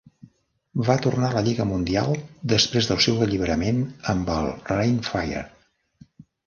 Va tornar a la Lliga Mundial després del seu alliberament amb el Rhein Fire.